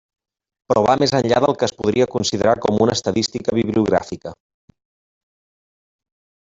Però va més enllà del que es podria considerar com una estadística bibliogràfica.